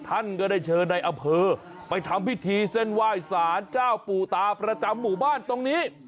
ท่านก็ได้เชิญในอำเภอไปทำพิธีเส้นไหว้สารเจ้าปู่ตาประจำหมู่บ้านตรงนี้